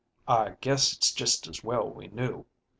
I guess it's just as well we knew.